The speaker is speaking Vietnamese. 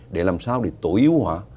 để làm sao để tối ưu hóa